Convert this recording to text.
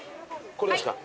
これですか。